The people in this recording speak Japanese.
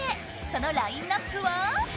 そのラインナップは？